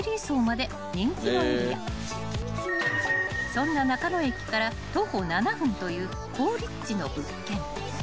［そんな中野駅から徒歩７分という好立地の物件］